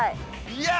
いや！